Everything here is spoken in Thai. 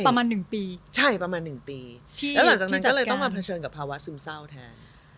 ประมาณหนึ่งปีใช่ประมาณหนึ่งปีแล้วหลังจากนั้นก็เลยต้องมาเผชิญกับภาวะซึมเศร้าแทน